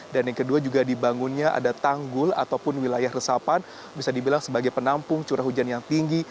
dan yang kedua juga dibangunnya ada tanggul ataupun wilayah resapan bisa dibilang sebagai penampung curah hujan yang tinggi